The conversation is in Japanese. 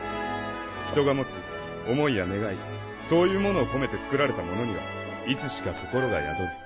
人が持つ思いや願いそういうものを込めて作られたものにはいつしか心が宿る。